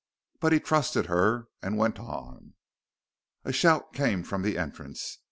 But he trusted her, and went on. A shout came from the entrance.